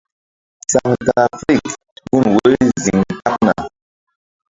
Centrafirikgun woyri ziŋ kaɓna.